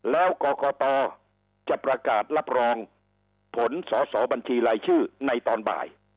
แล้วกรกตจะประกาศรับรองผลสอสอบัญชีรายชื่อในตอนบ่าย